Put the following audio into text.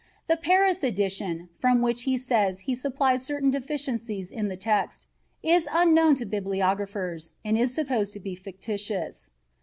The Paris edition, from which he says he supplied certain deficiencies in the text, is unknown to bibliographers and is supposed to be fictitious.